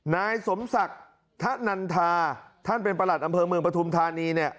นายสมศักดิ์ธนันทาท่านเป็นประหลัดอำเภอเมืองปฐุมธานีเนี่ย